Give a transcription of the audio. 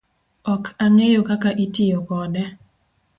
Ok ang'eyo kaka itiyo kode